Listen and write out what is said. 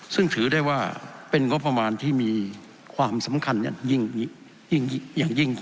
ซึ่งถือได้ว่าเป็นงบประมาณที่มีความสำคัญยิ่งอย่างยิ่ง